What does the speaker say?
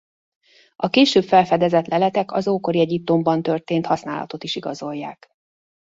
A később felfedezett leletek az ókori Egyiptomban történt használatot is igazolják.